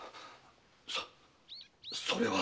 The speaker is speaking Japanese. そそれは！